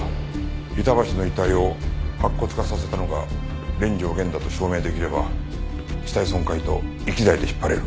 板橋の遺体を白骨化させたのが連城源だと証明できれば死体損壊と遺棄罪で引っ張れる。